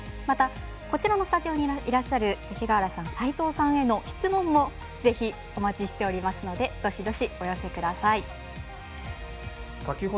また、こちらのスタジオにいらっしゃる勅使川原さん、齋藤さんへの質問もぜひ、お待ちしておりますのでどしどしお寄せください。